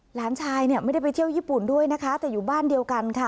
หลานชายเนี่ยไม่ได้ไปเที่ยวญี่ปุ่นด้วยนะคะแต่อยู่บ้านเดียวกันค่ะ